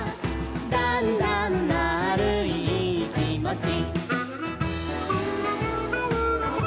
「だんだんまぁるいいいきもち」